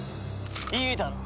いいだろう。